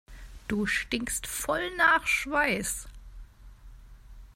Du stinkst voll nach Schweiß.